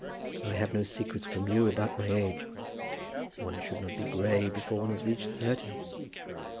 I have no secrets from you about my age. One should not be grey before one has reached thirty."